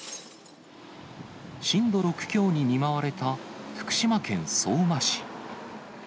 震度６強に見舞われた福島県相馬市。